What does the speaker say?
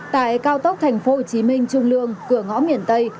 tại cao tốc tp hcm trung lương cửa ngõ miền tây